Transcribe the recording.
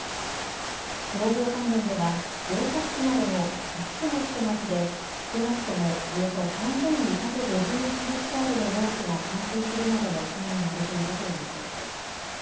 農業関連では、大崎市などの５つの市と町で、少なくともおよそ３２５１ヘクタールの農地が冠水するなどの被害が出ているということです。